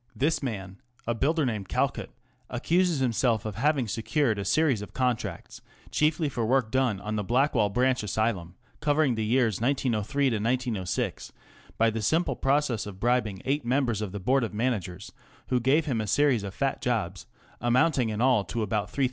This man, " a builder named Calcutt/' accuses himself of having secured a series of contracts, chiefly for work done on the Blackwall Branch Asylum, covering the years 1903 6, by the simple process of bribing eight members of the Board of Managers, who gave him a series of fat jobs, amounting in all to about ^3,000.